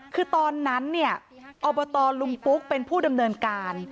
คือตอนนั้นเนี่ยอบตลุงปุ๊กเป็นผู้ดำเนินการ